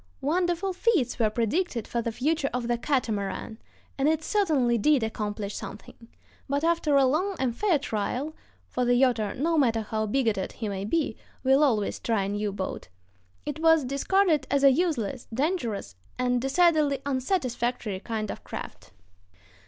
Wonderful feats were predicted for the future of the catamaran, and it certainly did accomplish something; but after a long and fair trial (for the yachter, no matter how bigoted he may be, will always try a new boat) it was discarded as a useless, dangerous, and decidedly unsatisfactory kind of craft....